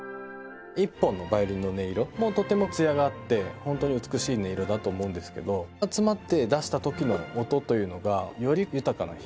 一本のヴァイオリンの音色もとてもつやがあって本当に美しい音色だと思うんですけど集まって出したときの音というのがより豊かな響き